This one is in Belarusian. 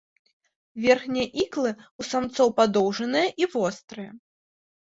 Верхнія іклы ў самцоў падоўжаныя і вострыя.